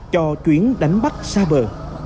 cho chuyến đánh bắt xa bờ